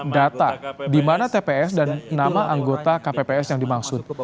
data di mana tps dan nama anggota kpps yang dimaksud